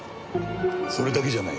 それだけじゃない。